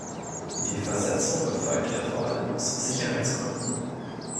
Die Versetzung erfolgte vor allem aus Sicherheitsgründen.